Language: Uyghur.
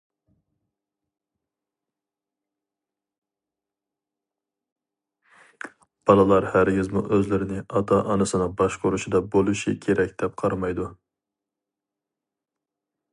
بالىلار ھەرگىزمۇ ئۆزلىرىنى ئاتا-ئانىسىنىڭ باشقۇرۇشىدا بولۇشى كېرەك دەپ قارىمايدۇ.